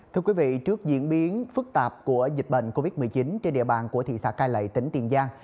thưa quý vị trước diễn biến phức tạp của dịch bệnh covid một mươi chín trên địa bàn của thị xã cai lệ tỉnh tiền giang